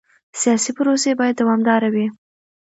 سیاسي پروسې باید دوامداره وي